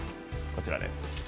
こちらです。